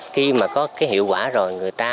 khi mà có cái hiệu quả rồi